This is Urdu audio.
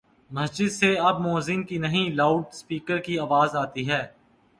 مسجد سے اب موذن کی نہیں، لاؤڈ سپیکر کی آواز آتی ہے۔